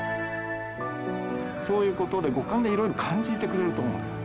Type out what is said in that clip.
そういう事で五感で色々感じてくれると思う。